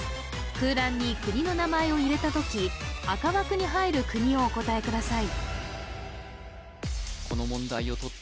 空欄に国の名前を入れた時赤枠に入る国をお答えください